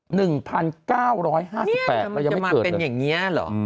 หนึ่งพันเก้าร้อยห้าสิบแปดมันจะมาเป็นอย่างเงี้เหรอ